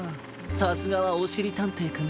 さすがはおしりたんていくんだ！